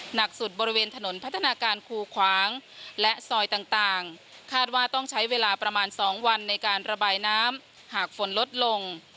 หนักสุดบริเวณถนนพัฒนาการคูขวางและซอยต่างคาดว่าต้องใช้เวลาประมาณ๒วันในการระบายน้ำหากฝนลดลง